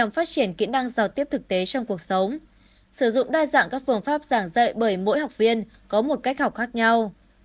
phát triển kỹ năng giao tiếp thực tế trong cuộc sống sử dụng đa dạng các phương pháp giảng dạy bởi mỗi học viên có một cách học khác nhau